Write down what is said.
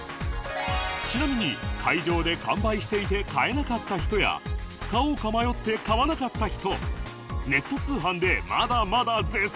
ちなみに会場で完売していて買えなかった人や買おうか迷って買わなかった人ネット通販でまだまだ絶賛販売中です